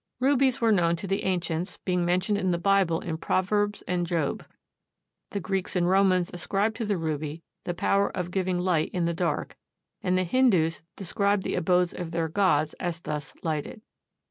Rubies were known to the ancients, being mentioned in the Bible in Proverbs and Job. The Greeks and Romans ascribed to the ruby the power of giving light in the dark, and the Hindoos describe the abodes of their gods as thus lighted.